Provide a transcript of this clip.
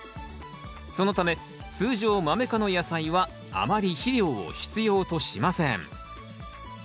そのため通常マメ科の野菜はあまり肥料を必要としません。